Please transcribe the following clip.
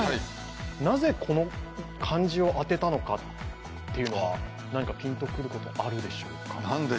なぜこの漢字を当てたのかというのは何かピンとくることはあるでしょうか？